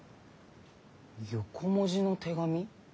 横文字の手紙？